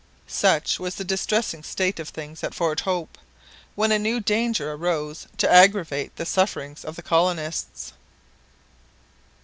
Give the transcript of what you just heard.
Such was the distressing state of things at Fort Hope, when a new danger arose to aggravate the sufferings of the colonists.